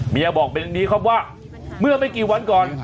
เมียบอกเป็นแบบนี้ครับว่าเมื่อไม่กี่วันก่อน